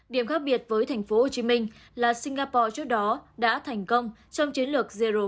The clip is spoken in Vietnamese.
điểm khác biệt với thành phố hồ chí minh là singapore trước đó đã thành công trong chiến lược zero covid